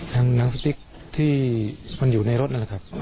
หนังสติ๊กที่มันอยู่ในรถนั่นแหละครับ